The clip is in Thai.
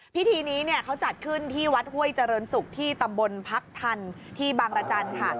พิธีนี้เนี่ยเขาจัดขึ้นที่วัดห้วยเจริญศุกร์ที่ตำบลพักทันที่บางรจันทร์ค่ะ